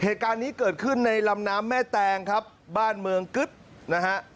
เหตุการณ์นี้เกิดขึ้นในลำน้ำแม่แตงครับบ้านเมืองกึ๊ดนะฮะ